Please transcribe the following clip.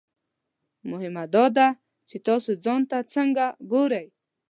مهمه دا ده چې تاسو ځان ته څنګه ګورئ.